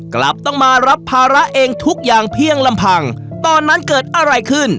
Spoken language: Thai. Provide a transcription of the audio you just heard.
กลับต้องมารับภาระเองทุกอย่างเพียงลำพังตอนนั้นเกิดอะไรขึ้น